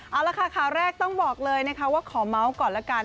เอาละค่ะข่าวแรกต้องบอกเลยนะคะว่าขอเมาส์ก่อนละกัน